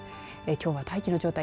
きょうは大気の状態